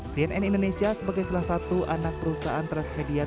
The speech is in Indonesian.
cnn indonesia sebagai salah satu anak perusahaan transmedia